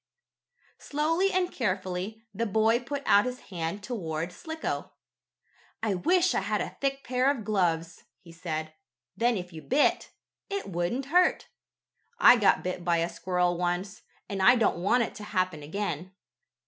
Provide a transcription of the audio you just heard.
Slowly and carefully, the boy put out his hand toward Slicko. "I wish I had a thick pair of gloves," he said. "Then if you bit, it wouldn't hurt. I got bit by a squirrel once, and I don't want it to happen again."